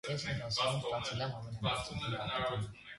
Ես իմ դասարանում ստացել եմ ամենաբարձր գնահատականը։